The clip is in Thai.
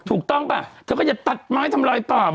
ถูกตั้งปะเธอก็อย่าตัดไม้ทำลายป่าบ่อย